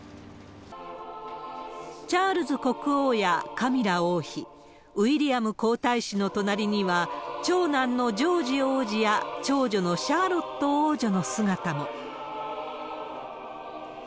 チャールズ国王やカミラ王妃、ウィリアム皇太子の隣には、長男のジョージ王子や長女のシャーロット王女の姿も。